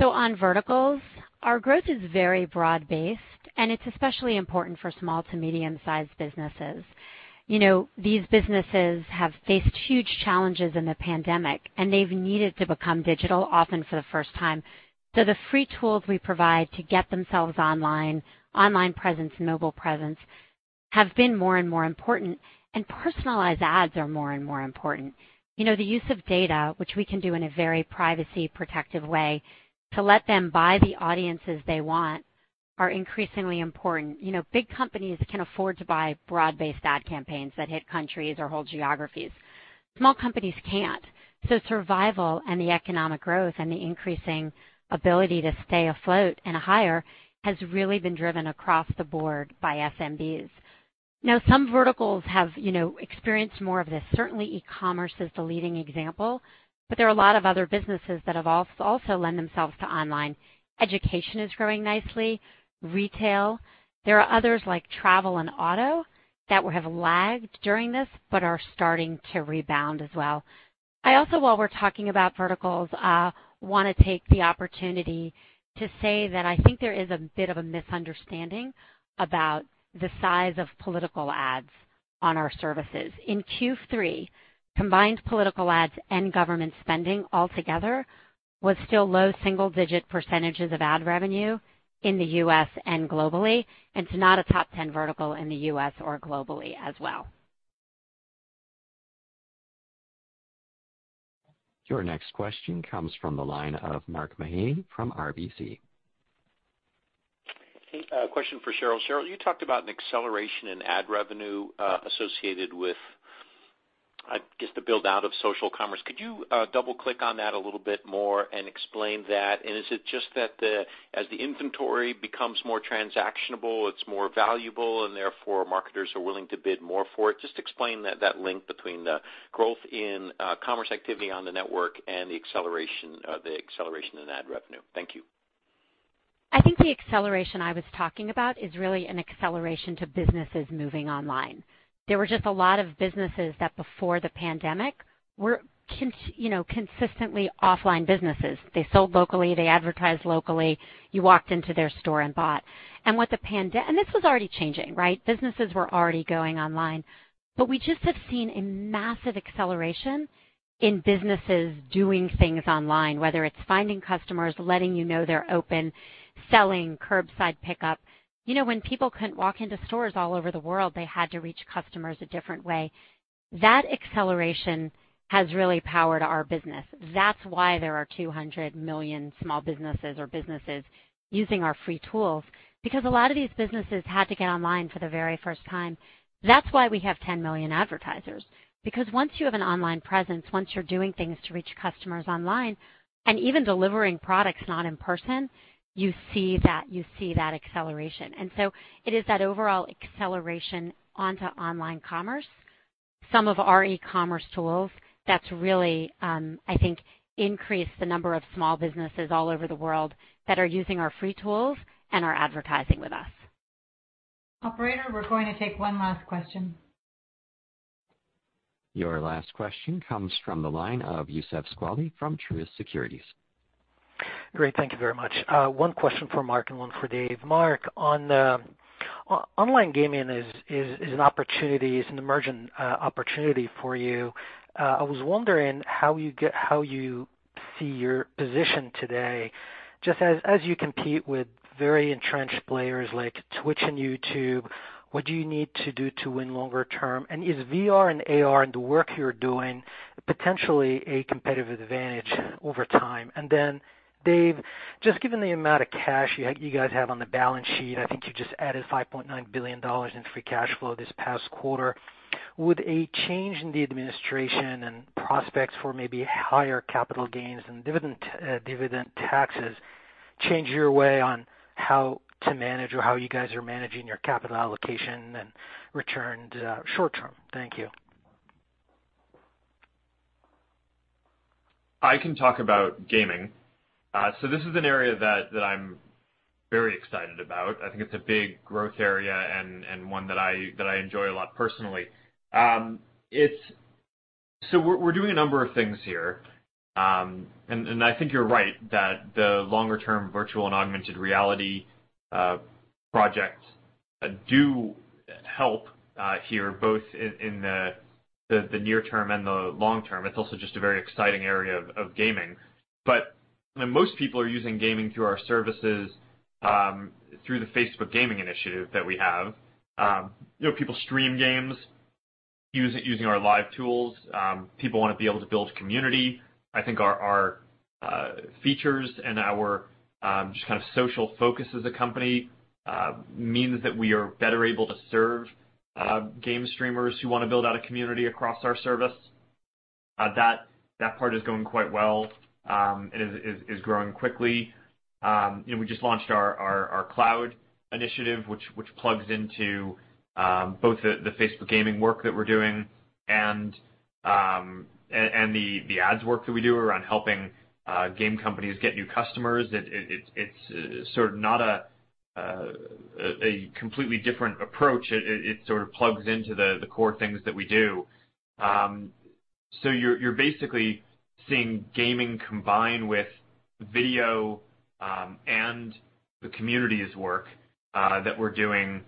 On verticals, our growth is very broad-based, and it's especially important for small to medium-sized businesses. These businesses have faced huge challenges in the pandemic, and they've needed to become digital, often for the first time. The free tools we provide to get themselves online presence, mobile presence, have been more and more important, and personalized ads are more and more important. The use of data, which we can do in a very privacy-protective way to let them buy the audiences they want, are increasingly important. Big companies can afford to buy broad-based ad campaigns that hit countries or whole geographies. Small companies can't. Survival and the economic growth and the increasing ability to stay afloat and hire has really been driven across the board by SMBs. Some verticals have experienced more of this. Certainly, e-commerce is the leading example, but there are a lot of other businesses that have also lend themselves to online. Education is growing nicely, retail. There are others, like travel and auto, that have lagged during this but are starting to rebound as well. I also, while we're talking about verticals, want to take the opportunity to say that I think there is a bit of a misunderstanding about the size of political ads on our services. In Q3, combined political ads and government spending altogether was still low single-digit percentage of ad revenue in the U.S. and globally, and it's not a top 10 vertical in the U.S. or globally as well. Your next question comes from the line of Mark Mahaney from RBC. Hey. A question for Sheryl. Sheryl, you talked about an acceleration in ad revenue associated with, I guess, the build-out of social commerce. Could you double click on that a little bit more and explain that? And is it just that as the inventory becomes more transactionable, it's more valuable and therefore marketers are willing to bid more for it? Just explain that link between the growth in commerce activity on the network and the acceleration in ad revenue. Thank you. I think the acceleration I was talking about is really an acceleration to businesses moving online. There were just a lot of businesses that before the pandemic were consistently offline businesses. They sold locally. They advertised locally. You walked into their store and bought. This was already changing, right? Businesses were already going online. We just have seen a massive acceleration in businesses doing things online, whether it's finding customers, letting you know they're open, selling, curbside pickup. When people couldn't walk into stores all over the world, they had to reach customers a different way. That acceleration has really powered our business. That's why there are 200 million small businesses or businesses using our free tools, because a lot of these businesses had to get online for the very first time. That's why we have 10 million advertisers, because once you have an online presence, once you're doing things to reach customers online, and even delivering products not in person, you see that acceleration. It is that overall acceleration onto online commerce, some of our e-commerce tools, that's really, I think, increased the number of small businesses all over the world that are using our free tools and are advertising with us. Operator, we're going to take one last question. Your last question comes from the line of Youssef Squali from Truist Securities. Great. Thank you very much. One question for Mark and one for Dave. Mark, online gaming is an emerging opportunity for you. I was wondering how you see your position today. Just as you compete with very entrenched players like Twitch and YouTube, what do you need to do to win longer term? Is VR and AR and the work you're doing potentially a competitive advantage over time? Dave, given the amount of cash you guys have on the balance sheet, I think you just added $5.9 billion in free cash flow this past quarter. Would a change in the administration and prospects for maybe higher capital gains and dividend taxes change your way on how to manage or how you guys are managing your capital allocation and return short-term? Thank you. I can talk about gaming. This is an area that I'm very excited about. I think it's a big growth area and one that I enjoy a lot personally. We're doing a number of things here. I think you're right that the longer-term virtual and augmented reality projects do help here, both in the near term and the long term. It's also just a very exciting area of gaming. Most people are using gaming through our services through the Facebook Gaming initiative that we have. People stream games using our live tools. People want to be able to build community. I think our features and our just kind of social focus as a company means that we are better able to serve game streamers who want to build out a community across our service. That part is going quite well. It is growing quickly. We just launched our cloud initiative, which plugs into both the Facebook gaming work that we're doing and the ads work that we do around helping game companies get new customers. It's sort of not a completely different approach. It sort of plugs into the core things that we do. You're basically seeing gaming combine with video and the communities work that we're doing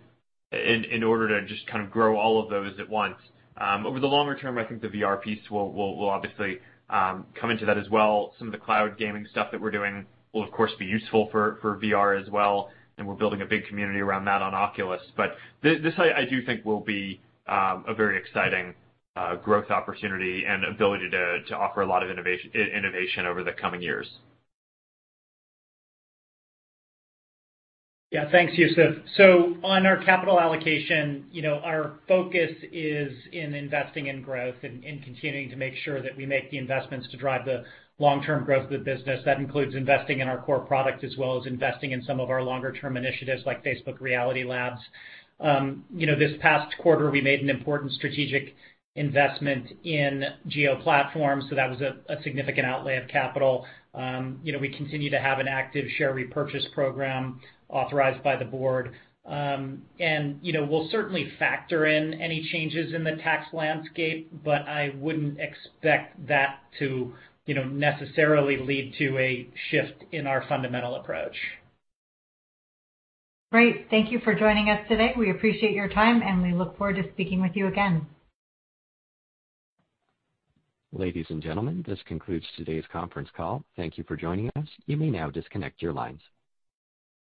in order to just kind of grow all of those at once. Over the longer term, I think the VR piece will obviously come into that as well. Some of the cloud gaming stuff that we're doing will, of course, be useful for VR as well, and we're building a big community around that on Oculus. This I do think will be a very exciting growth opportunity and ability to offer a lot of innovation over the coming years. Yeah. Thanks, Youssef. On our capital allocation, our focus is in investing in growth and continuing to make sure that we make the investments to drive the long-term growth of the business. That includes investing in our core product as well as investing in some of our longer-term initiatives like Facebook Reality Labs. This past quarter, we made an important strategic investment in Jio Platforms, so that was a significant outlay of capital. We continue to have an active share repurchase program authorized by the board. We'll certainly factor in any changes in the tax landscape, but I wouldn't expect that to necessarily lead to a shift in our fundamental approach. Great. Thank you for joining us today. We appreciate your time, and we look forward to speaking with you again. Ladies and gentlemen, this concludes today's conference call. Thank you for joining us. You may now disconnect your lines.